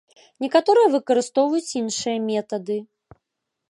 Некаторыя выкарыстоўваюць іншыя метады.